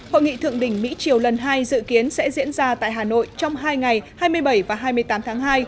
hội nghị thượng đỉnh mỹ triều lần hai dự kiến sẽ diễn ra tại hà nội trong hai ngày hai mươi bảy và hai mươi tám tháng hai